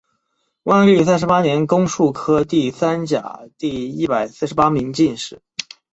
万历三十八年庚戌科第三甲第一百四十八名进士。